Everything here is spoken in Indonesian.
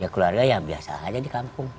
keluarga ya biasa aja di kampung